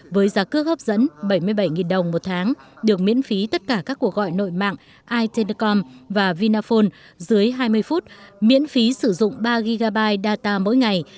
với giá cước hấp dẫn bảy mươi bảy đồng một tháng được miễn phí tất cả các cuộc gọi nội mạng itelecom và vinaphone dưới hai mươi phút miễn phí sử dụng ba gb data mỗi ngày